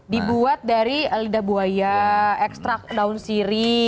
dibuat dari lidah buaya ekstrak daun siri